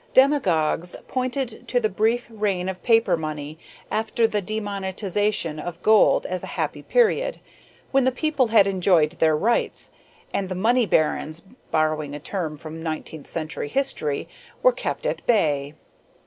Demagogues pointed to the brief reign of paper money after the demonetization of gold as a happy period, when the people had enjoyed their rights, and the "money barons" borrowing a term from nineteenth century history were kept at bay.